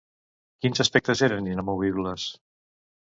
Quins aspectes eren inamovibles?